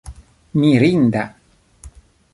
mirinda